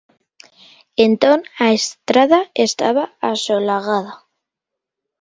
Entón a estrada estaba asolagada.